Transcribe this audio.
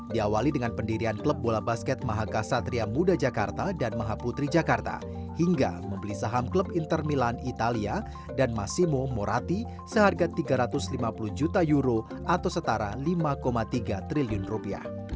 diawali dengan pendirian klub bola basket mahaka satria muda jakarta dan maha putri jakarta hingga membeli saham klub inter milan italia dan masimo morati seharga tiga ratus lima puluh juta euro atau setara lima tiga triliun rupiah